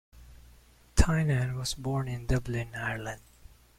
Tynan was born in Dublin, Ireland.